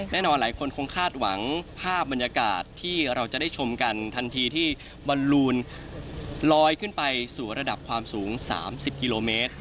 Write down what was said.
หลายคนคงคาดหวังภาพบรรยากาศที่เราจะได้ชมกันทันทีที่บอลลูนลอยขึ้นไปสู่ระดับความสูง๓๐กิโลเมตร